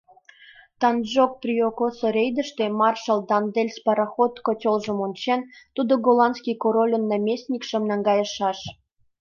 Танджонк-Приокысо рейдыште “Маршал Дандельс” пароход котелжым ончен, тудо голландский корольын наместникшым наҥгайышаш.